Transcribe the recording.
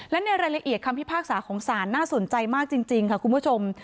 และในรายละเอียดคำพิพากษาของศาลน่าสนใจมากจริงค่ะคุณผู้ชม